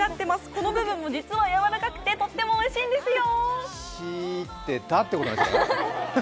この部分も実はやわらかくてとってもおいしいですよ。